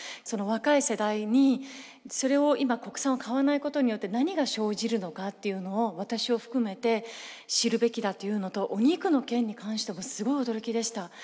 その若い世代にそれを今国産を買わないことによって何が生じるのかっていうのを私を含めて知るべきだというのとお肉の件に関してもすごい驚きでした。